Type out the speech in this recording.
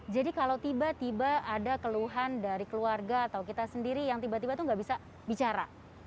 jadi kalau tiba tiba ada keluhan dari keluarga atau kita sendiri yang tiba tiba itu nggak bisa bicara